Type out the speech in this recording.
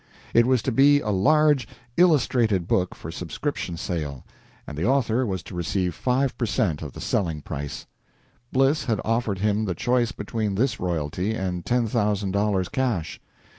It was to be a large illustrated book for subscription sale, and the author was to receive five per cent of the selling price. Bliss had offered him the choice between this royalty and ten thousand dollars cash.